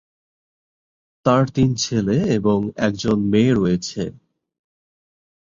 তার তিন ছেলে এবং একজন মেয়ে রয়েছে।